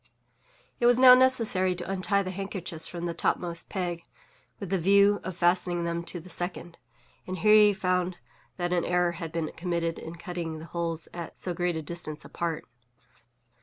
It was now necessary to untie the handkerchiefs from the topmost peg, with the view of fastening them to the second; and here he found that an error had been committed in cutting the holes at so great a distance apart.